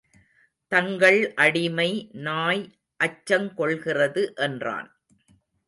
தங்கள் அடிமை நாய் அச்சங் கொள்கிறது என்றான்.